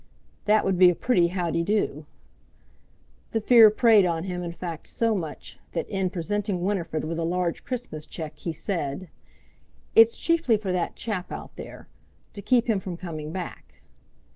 That would be a pretty how de do! The fear preyed on him in fact so much that, in presenting Winifred with a large Christmas cheque, he said: "It's chiefly for that chap out there; to keep him from coming back."